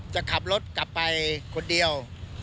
จะขับรถกลับไปคนเดียว